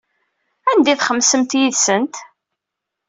Anda ay txemmsemt yid-sent?